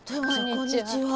こんにちは。